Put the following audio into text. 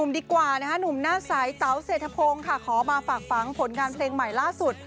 ไทยเตาเสธพงค่ะขอมาฝากฟังผลงานเพลงใหม่ล่าสุด